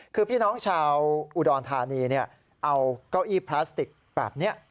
คือพี่น้องชาวอุดรธานีเอาเก้าอี้พลาสติกแบบนี้